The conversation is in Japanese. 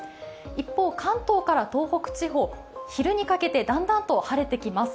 一方、関東から東北地方、昼にかけてだんだん晴れてきます。